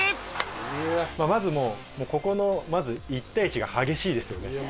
まずここの１対１が激しいですよね。